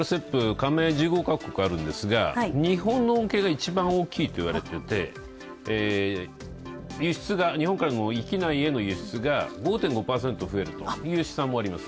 加盟１５か国があるんですが、日本の恩恵が一番大きいといわれていて域内からへの輸出が５．５％増えるという試算もあります。